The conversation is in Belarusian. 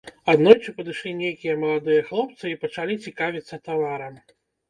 Аднойчы падышлі нейкія маладыя хлопцы і пачалі цікавіцца таварам.